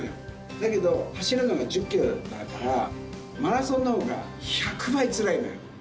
だけど走るのは１０キロだから、マラソンのほうが１００倍つらいのよ。